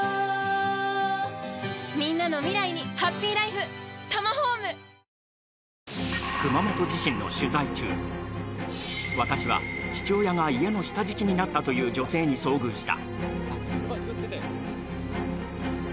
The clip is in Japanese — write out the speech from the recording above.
なにが生まれた熊本地震の取材中、私は、父親が家の下敷きになったという女性に遭遇した。